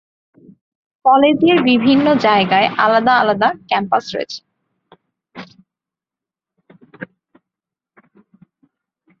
কলেজের বিভিন্ন জায়গায় আলাদা আলাদা ক্যাম্পাস রয়েছে।